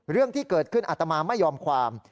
เรื่องที่เกิดขึ้นอัตมาไม่ยอมความ